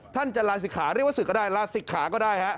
ท่านจะลาศิกขาเรียกว่าศึกก็ได้ลาศิกขาก็ได้ฮะ